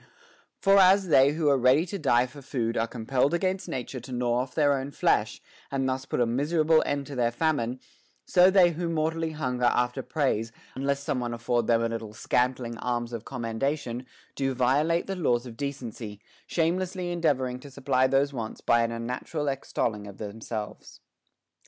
For as they who are ready to die for food are compelled against nature to gnaw off their own flesh, and thus put a miserable end to their famine ; so they who mortally hun ger after praise, unless some one afford them a little scant ling alms of commendation, do violate the laws of decency, shamelessly endeavoring to supply those wants by an un natural extolling of themselves.